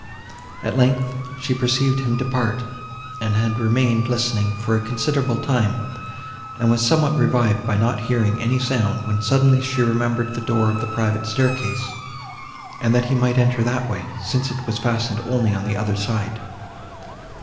At length, she perceived him depart, and had remained, listening, for a considerable time, and was somewhat revived by not hearing any sound, when suddenly she remembered the door of the private staircase, and that he might enter that way, since it was fastened only on the other side.